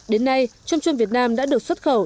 đến nay trôm trôm việt nam đã được xuất khẩu